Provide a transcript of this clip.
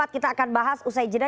kita akan bahas usai jeda